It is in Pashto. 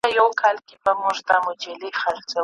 تر څو به نوي جوړوو زاړه ښارونه سوځو؟